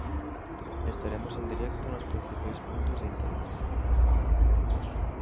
Estaremos en directo nos principais puntos de interese.